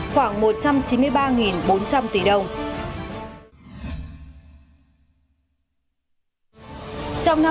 khoảng một trăm chín mươi ba bốn trăm linh tỷ đồng